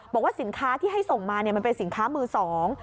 บอกว่าสินค้าที่ให้ส่งมาเนี่ยมันเป็นสินค้ามือสอง